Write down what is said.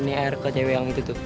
ini air ke cewek yang gitu tuh